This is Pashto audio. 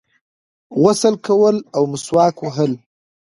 غسل کول او مسواک وهل